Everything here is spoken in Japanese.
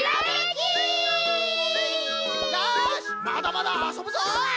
よしまだまだあそぶぞい！